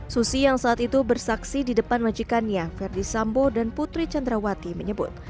susi yang saat itu bersaksi di depan majikannya verdi sambo dan putri candrawati menyebut